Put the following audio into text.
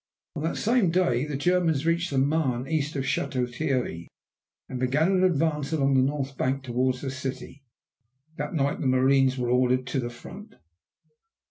On that same day the Germans reached the Marne east of Château Thierry and began an advance along the north bank toward the city. That night the marines were ordered to the front.